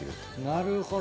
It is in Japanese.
なるほど。